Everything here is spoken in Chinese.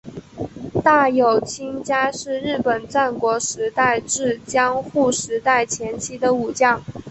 大友亲家是日本战国时代至江户时代前期的武将。